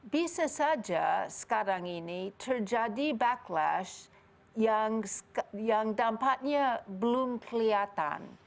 bisa saja sekarang ini terjadi backlash yang dampaknya belum kelihatan